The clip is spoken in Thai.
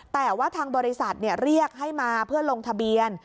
แต่ว่าทางบริษัทเรียกให้มาเพื่อลงทะเบียน